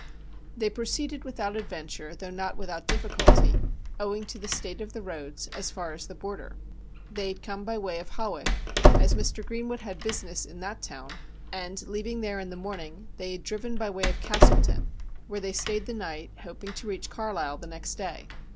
They proceeded without adventure, though not without difficulty, owing to the state of the roads, as far as the Border. They had come by way of Hawick, as Mr. Greenwood had business in that town, and leaving there in the morning they had driven by way of Castleton, where they stayed the night, hoping to reach Carlisle the next day.